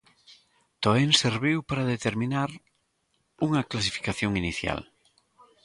Toén serviu para determinar unha clasificación inicial.